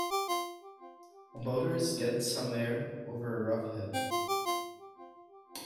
A motorist gets some air over a rough hill.